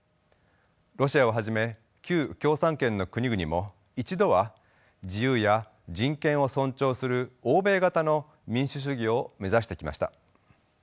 ロシアをはじめ旧共産圏の国々も一度は自由や人権を尊重する欧米型の民主主義を目指してきました。